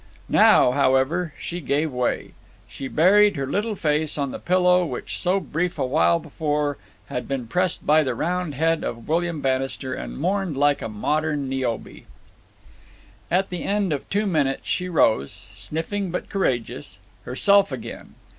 Now, however, she gave way. She buried her little face on the pillow which so brief a while before had been pressed by the round head of William Bannister and mourned like a modern Niobe. At the end of two minutes she rose, sniffing but courageous, herself again.